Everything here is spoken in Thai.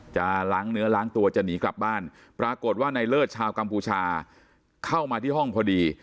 จะล้างเนื้อล้างตัวจะหนีกลับบ้านปรากฏว่าในเลิศชาวกัมพูชาเข้ามาที่ห้องพอดี